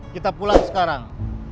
kita pulang sekarang